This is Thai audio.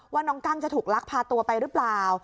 ว่าน้องกั้งจะถูกลักพาตัวไปหรือเปล่า